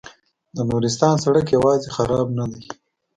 د نورستان سړک یوازې خراب نه دی.